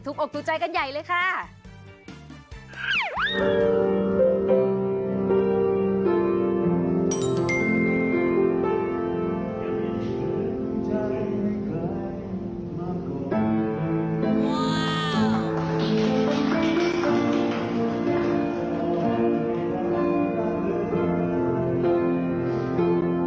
มีคุณใจในใครมากกว่านี้